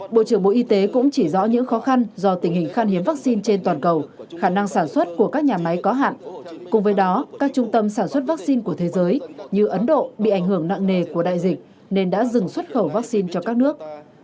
bộ trưởng bộ y tế cũng chỉ rõ những khó khăn do tình hình khan hiếm vaccine trên toàn cầu khả năng sản xuất của các nhà máy có hạn cùng với đó các trung tâm sản xuất vaccine của thế giới như ấn độ bị ảnh hưởng nặng nề của đại dịch nên đã dừng xuất khẩu vaccine cho các nước